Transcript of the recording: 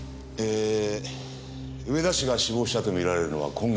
上田氏が死亡したとみられるのは今月１３日。